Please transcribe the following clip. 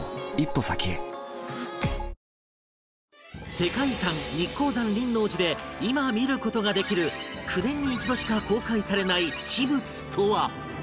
世界遺産日光山輪王寺で今見る事ができる９年に一度しか公開されない秘仏とは？